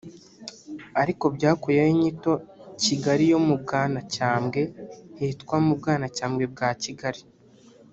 ariko byakuyeho inyito “Kigali yo mu Bwanacyambwe” hitwa “Mu Bwanacyambwe bwa Kigali”